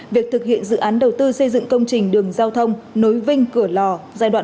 việc thực hiện dự án đầu tư xây dựng công trình đường giao thông nối vinh cửa lò giai đoạn một